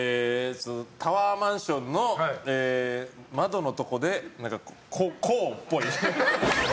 タワーマンションの窓のところで、こうっぽい。